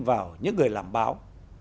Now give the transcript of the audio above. vào những người làm báo